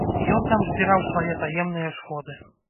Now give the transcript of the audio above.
Ён там збіраў свае таемныя сходы.